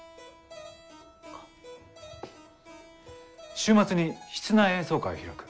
週末に室内演奏会を開く。